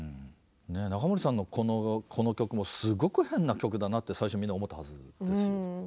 中森さんのこの曲もすごく変な曲だなって最初みんな思ったはずですよ。